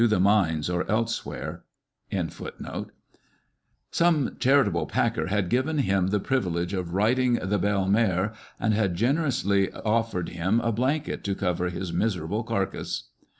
The Oregonian suggested that " Some charitable packer* had given him the privilege of riding the 'Bell mare/ and had generously offered him a blanket to cover his miserable carcase."